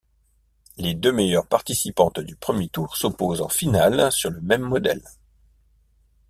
Les deux meilleures participantes du premier tour s'opposent en finale sur le même modèle.